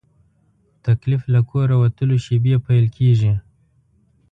تکلیف له کوره وتلو شېبې پیل کېږي.